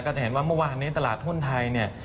ก็จะเห็นว่าเมื่อวานเนี่ยตลาดหุ้นไทย